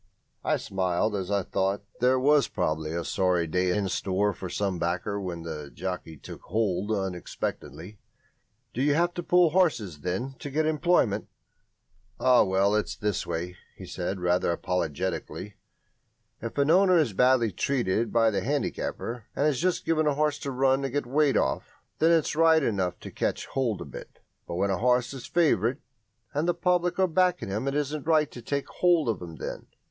I smiled as I thought there was probably a sorry day in store for some backer when the jockey "took hold" unexpectedly. "Do you have to pull horses, then, to get employment?" "Oh, well, it's this way," he said, rather apologetically, "if an owner is badly treated by the handicapper, and is just giving his horse a run to get weight off, then it's right enough to catch hold a bit. But when a horse is favourite and the public are backing him it isn't right to take hold of him then.